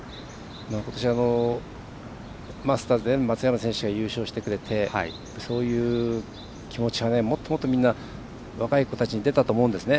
ことしは、マスターズで松山選手が優勝してくれてそういう気持ちはもっともっと若い子たちに出たと思うんですね。